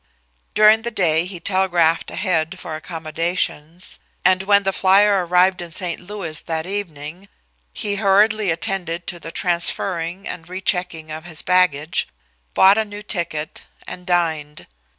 During the day he telegraphed ahead for accommodations; and when the flyer arrived in St. Louis that evening he hurriedly attended to the transferring and rechecking of his baggage, bought a new ticket, and dined.